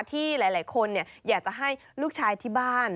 ที่หลายคนอยากจะให้ลูกชายที่บ้าน